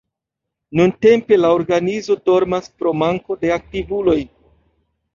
Nuntempe la organizo dormas pro manko de aktivuloj.